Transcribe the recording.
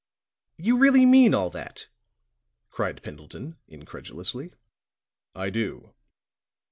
"You really mean all that?" cried Pendleton, incredulously. "I do."